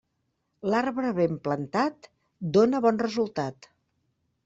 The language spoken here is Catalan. L'arbre ben plantat, dóna bon resultat.